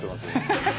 ハハハハ！